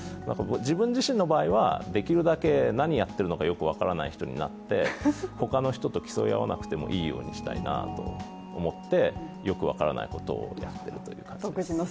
自分自身の場合、できるだけ何をやってるか分からない人になって他の人と競い合わなくてもいいようにしたいなと思ってよく分からないことをやっていると。